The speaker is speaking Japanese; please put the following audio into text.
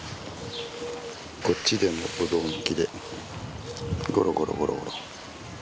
こっちでもブドウの木でゴロゴロゴロゴロ。